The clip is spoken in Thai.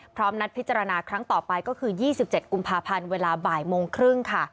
นัดพิจารณาครั้งต่อไปก็คือ๒๗กุมภาพันธ์เวลาบ่ายโมงครึ่งค่ะ